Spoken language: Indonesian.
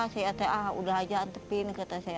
saya kata ah udah aja ngintipin kata saya